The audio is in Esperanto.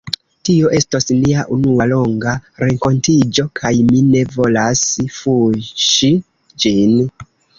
Tio estos nia unua longa renkontiĝo, kaj mi ne volas fuŝi ĝin.